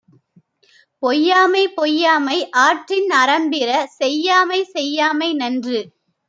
பொய்யாமை பொய்யாமை ஆற்றின் அறம்பிற செய்யாமை செய்யாமை நன்று.